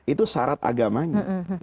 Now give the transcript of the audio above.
itu syarat agamanya